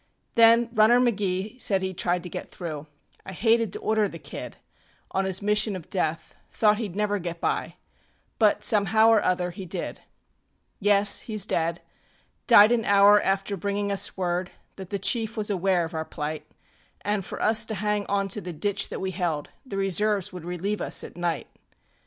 Then Runner McGee said heŌĆÖd try to get through. I hated to order the kid On his mission of death; thought heŌĆÖd never get by, But somehow or other he did. ŌĆ£Yes, heŌĆÖs dead. Died an hour after bringing us word That the chief was aware of our plight, AnŌĆÖ for us to hang onto the ditch that we held; The reserves would relieve us at night.